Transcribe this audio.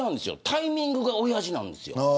タイミングがおやじなんです。